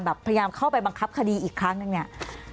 พยายามเข้าไปบังคับคดีอีกครั้งนึงเนี่ย